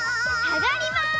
あがります。